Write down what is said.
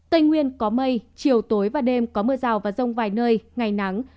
tây nguyên có mây chiều tối và đêm có mưa rào và rông vài nơi ngày nắng